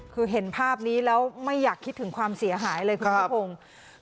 คือเห็นภาพนี้แล้วไม่อยากคิดถึงความเสียหายเลยคุณภาคภูมิ